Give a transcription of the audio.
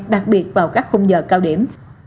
đặc biệt vào các khung giờ cao điểm